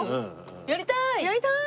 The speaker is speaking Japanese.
やりたい！